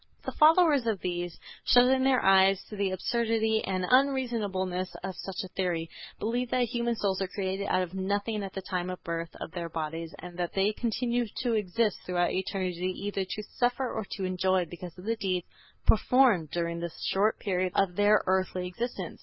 The followers of these, shutting their eyes to the absurdity and unreasonableness of such a theory, believe that human souls are created out of nothing at the time of the birth of their bodies and that they continue to exist throughout eternity either to suffer or to enjoy because of the deeds performed during the short period of their earthly existence.